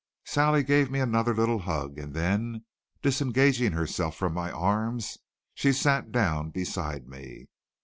Sally gave me another little hug, and then, disengaging herself from my arms, she sat down beside me.